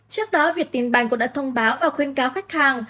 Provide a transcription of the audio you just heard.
trước đó việt tìm bành cũng đã thông báo và khuyên cáo khách hàng